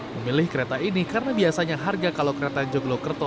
memilih kereta ini karena biasanya harga kalau kereta joglokerto